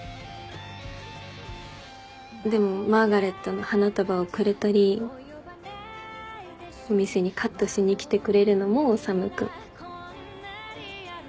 でもマーガレットの花束をくれたりお店にカットしに来てくれるのも修君。